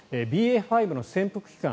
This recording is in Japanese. ＢＡ．５の潜伏期間